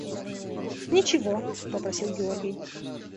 – Ничего, – попросил Георгий.